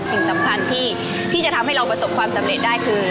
สิ่งสำคัญที่จะทำให้เราประสบความสำเร็จได้คือ